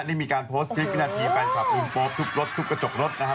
ได้มีการโพสต์คลิปวินาทีแฟนคลับลุมปลาของใส่ทุกรถทุกกระจกรถนะฮะ